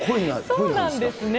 そうなんですね。